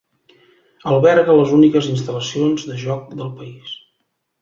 Alberga les úniques instal·lacions de joc del país.